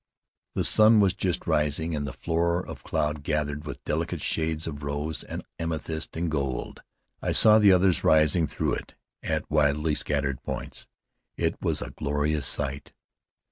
The sun was just rising, and the floor of cloud glowed with delicate shades of rose and amethyst and gold. I saw the others rising through it at widely scattered points. It was a glorious sight.